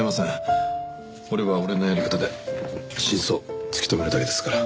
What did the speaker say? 俺は俺のやり方で真相を突き止めるだけですから。